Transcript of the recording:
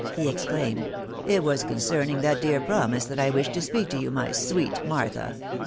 he exclaimed; "it was concerning that dear promise that I wiahed to apeak to you, my sweet Martha.